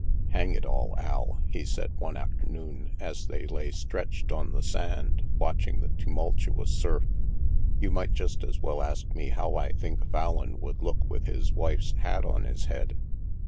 " Hang it all, Al," he said, one afternoon, as they lay stretched on the sand, watching the tumultuous surf, " you might just as well ask me how I think Fallon would look with his wife's hat on his head."